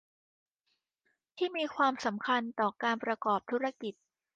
ที่มีความสำคัญต่อการประกอบธุรกิจ